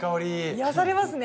癒やされますね。